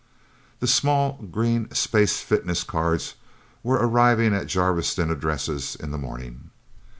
The small, green space fitness cards were arriving at Jarviston addresses in the morning.